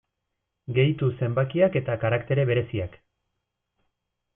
Gehitu zenbakiak eta karaktere bereziak.